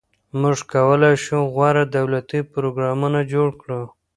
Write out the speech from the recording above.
موږ کولای شو غوره دولتي پروګرامونه جوړ کړو.